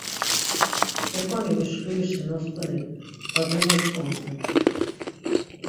Hekoni uşkurişi nostoni var gomoç̌ǩondun.